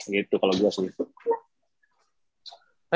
gitu kalau gue selalu